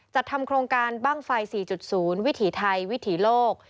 จัดทำโครงการบ้างไฟ๔๐วิถีไทยวิถีโลก